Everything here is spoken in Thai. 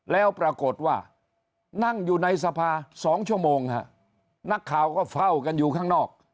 แล้วปรากฏว่านั่งอยู่ในสภา๒ชั่วโมงฮะนักข่าวก็เฝ้ากันอยู่ข้างนอก